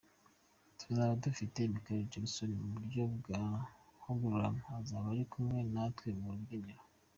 Tuzaba dufite Michael Jackson mu buryo bwa hologram, azaba ari kumwe natwe ku rubyiniro”.